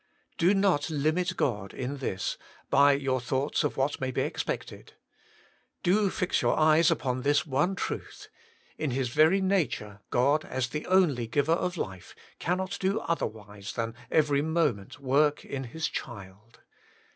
Do not limit God in this by your thoughts of what may be expected. Do fix your eyes upon this one truth : in His very nature, God, as the only Giver of life, cannot do otherwise than every moment work in His child.